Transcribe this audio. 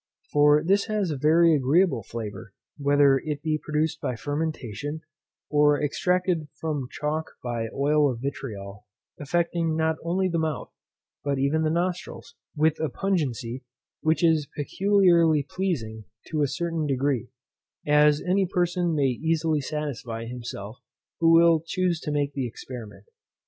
For this has a very agreeable flavour, whether it be produced by fermentation, or extracted from chalk by oil of vitriol; affecting not only the mouth, but even the nostrils; with a pungency which is peculiarly pleasing to a certain degree, as any person may easily satisfy himself, who will chuse to make the experiment.